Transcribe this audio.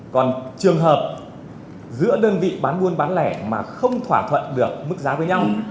còn trường hợp giữa đơn vị bán buôn bán lẻ mà không thỏa thuận được mức giá với nhau